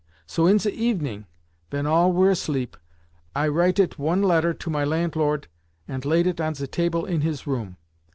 So in ze evening, ven all were asleep, I writet one letter to my lantlort, ant laid it on ze table in his room.